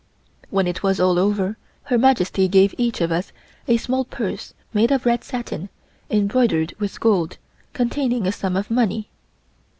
When it was all over, Her Majesty gave each of us a small purse made of red satin embroidered with gold, containing a sum of money.